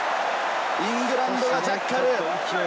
イングランドがジャッカル。